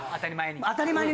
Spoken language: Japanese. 当たり前に。